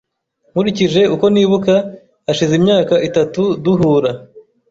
Nkurikije uko nibuka, hashize imyaka itatu duhura.